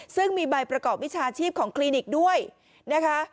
ซึ่งมีใบประกอบวิชาชีพของคลินิกด้วยนะคะ